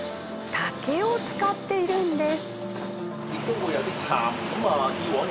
竹を使っているんです。